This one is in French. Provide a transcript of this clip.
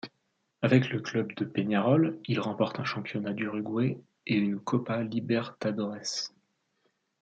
Avec le club de Peñarol, il remporte un championnat d'Uruguay et une Copa Libertadores.